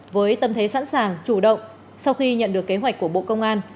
với tâm thế sẵn sàng chủ động sau khi nhận được kế hoạch của bộ công an